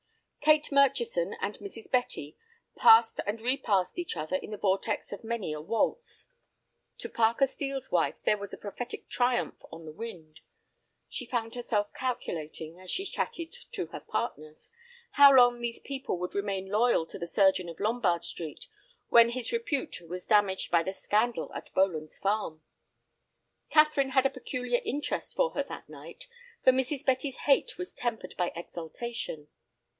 Kate Murchison and Mrs. Betty passed and repassed each other in the vortex of many a waltz. To Parker Steel's wife there was a prophetic triumph on the wind. She found herself calculating, as she chatted to her partners, how long these people would remain loyal to the surgeon of Lombard Street when his repute was damaged by the scandal at Boland's Farm. Catherine had a peculiar interest for her that night, for Mrs. Betty's hate was tempered by exultation.